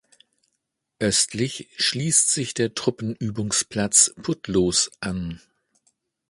Östlich schließt sich der Truppenübungsplatz Putlos an.